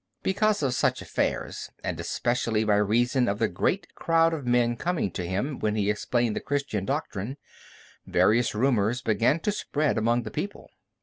Because of such affairs, and especially by reason of the great crowd of men coming to him when he explained the Christian doctrine, various rumors began to spread among the people.